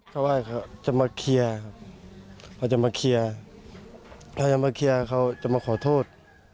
เขาบอกว่าอย่างไรพี่ผมขอโทษแล้วกันแล้วมึงดูตากูไม่ต้องมาขอโทษ